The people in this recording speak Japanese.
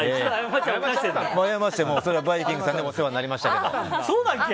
それば「バイキング」さんでお世話になりましたけど。